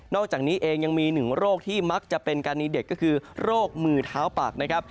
อกจากนี้เองยังมีหนึ่งโรคที่มักจะเป็นกรณีเด็กก็คือโรคมือเท้าปากนะครับ